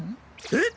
えっ？